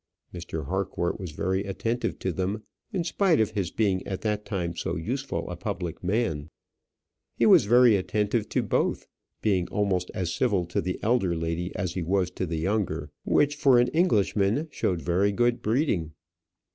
Mr. Harcourt was very attentive to them in spite of his being at that time so useful a public man. He was very attentive to both, being almost as civil to the elder lady as he was to the younger, which, for an Englishman, showed very good breeding.